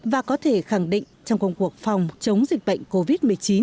và có thể khẳng định trong công cuộc phòng chống dịch bệnh covid một mươi chín